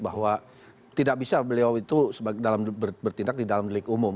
bahwa tidak bisa beliau itu dalam bertindak di dalam delik umum